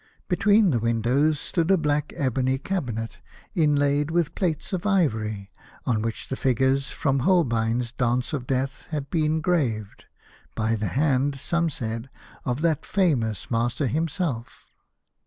Between the windows stood a black ebony cabinet, inlaid with plates of ivory, on which the figures from Holbein's Dance of Death had been graved— by the hand, some said, of that famous master himself.